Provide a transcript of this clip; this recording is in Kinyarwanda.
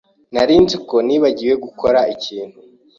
Nari nzi ko nibagiwe gukora ikintu.